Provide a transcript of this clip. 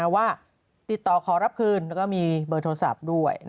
ว่าติดต่อขอรับคืนแล้วก็มีเบอร์โทรศัพท์ด้วย